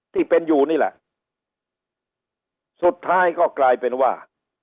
ที่เป็นอยู่นี่แหละสุดท้ายก็กลายเป็นว่า